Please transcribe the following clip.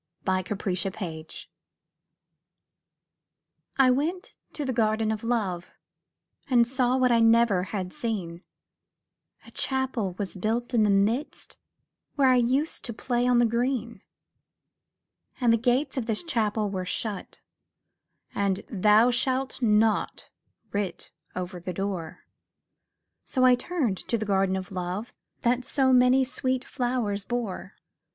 THE GARDEN OF LOVE I went to the Garden of Love, And saw what I never had seen; A Chapel was built in the midst, Where I used to play on the green. And the gates of this Chapel were shut, And 'Thou shalt not' writ over the door; So I turned to the Garden of Love That so many sweet flowers bore.